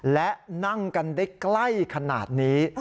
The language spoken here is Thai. และนั่งกันได้ใกล้ขนาดนี้